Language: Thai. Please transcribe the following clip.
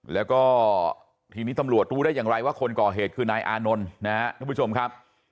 แล้วก็ทีนี้ตำรวจรู้ได้อย่างไรว่าคนก่อเหตุคือนายอานนท์นะครับทุกผู้ชมครับ